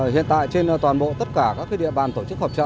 hiện tại trên toàn bộ tất cả các địa bàn tổ chức họp trợ